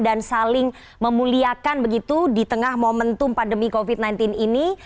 dan saling memuliakan begitu di tengah momentum pandemi covid sembilan belas ini